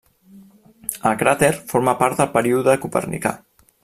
El cràter forma part del Període Copernicà.